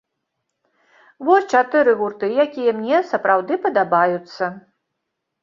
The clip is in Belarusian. Вось чатыры гурты, якія мне сапраўды падабаюцца.